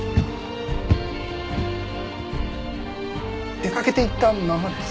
出かけていったままです。